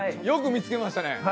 よく見つけましたね。